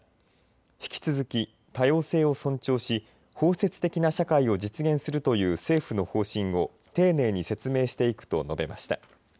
引き続き多様性を尊重し包摂的な社会を実現するという政府の方針を丁寧に説明していくと述べました。